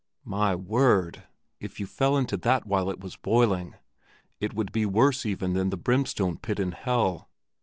My word! If you fell into that while it was boiling, it would be worse even than the brimstone pit in hell.